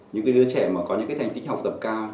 những cái đứa trẻ mà có những cái thành tích học tập cao